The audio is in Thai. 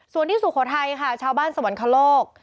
ส่วนที่สุโขทัยค่ะชาวบ้านสวรรคโลก